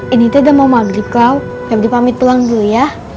ini tuh udah mau maghrib kau febri pamit pulang dulu ya